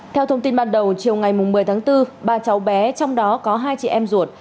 theo thông tin ban đầu chiều ngày một mươi tháng bốn ba cháu bé trong đó có hai chị em ruột